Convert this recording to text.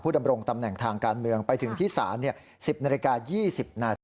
ดำรงตำแหน่งทางการเมืองไปถึงที่ศาล๑๐นาฬิกา๒๐นาที